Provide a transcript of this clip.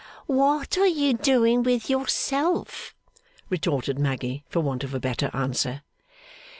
'What are you doing with yourself?' retorted Maggy, for want of a better answer.